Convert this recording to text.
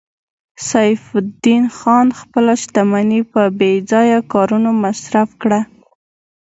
سیف الدین خان خپله شتمني په بې ځایه کارونو مصرف کړه